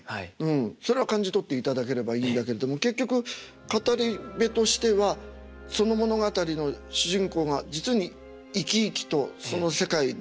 それは感じ取っていただければいいんだけれども結局語り部としてはその物語の主人公が実に生き生きとその世界でちゃんと全うに物語の中で生きていると。